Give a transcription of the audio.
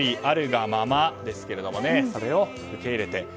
あるがままですがそれを受け入れて。